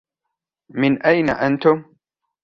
مِنْ أَيْنَ أَنْتُمْ؟